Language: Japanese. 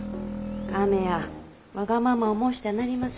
亀やわがままを申してはなりません。